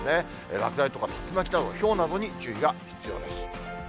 落雷とか、竜巻など、ひょうなどに注意が必要です。